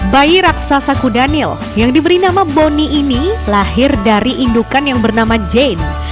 bayi raksasa kudanil yang diberi nama boni ini lahir dari indukan yang bernama jane